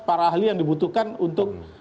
para ahli yang dibutuhkan untuk